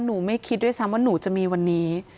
ไม่คิดด้วยซ้ำว่าหนูจะมีวันนี้